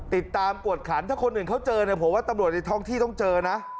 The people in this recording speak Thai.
ติดตามกวดขันถ้าคนอื่นเขาเจอเนี่ยผมว่าตำรวจในท้องที่ต้องเจอนะ